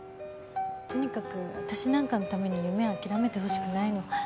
とにかく私なんかのために夢諦めてほしくないの。